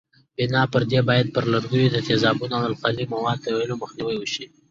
بنا پر دې باید پر لرګیو د تیزابونو او القلي موادو توېدلو مخنیوی وشي.